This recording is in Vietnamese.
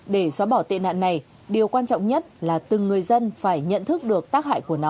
để xóa bỏ tệ nạn này điều quan trọng nhất là từng người dân phải nhận thức được tác hại của nó